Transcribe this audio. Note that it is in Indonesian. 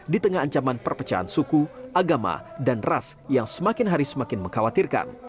di tengah ancaman perpecahan suku agama dan ras yang semakin hari semakin mengkhawatirkan